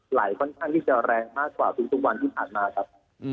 ไหลค่อนข้างที่จะแรงมากกว่าทุกวันที่ผ่านมาครับ